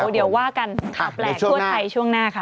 เดี๋ยวว่ากันข่าวแปลกทั่วไทยช่วงหน้าค่ะ